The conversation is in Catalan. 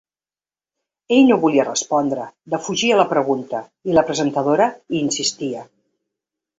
Ell no volia respondre, defugia la pregunta, i la presentadora hi insistia.